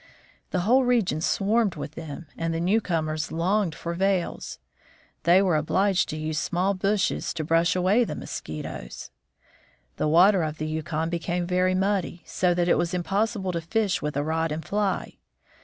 The whole region swarmed with them, and the newcomers longed for veils. They were obliged to use small bushes to brush away the mosquitoes. The water of the Yukon became very muddy, so that it was impossible to fish with a rod and fly.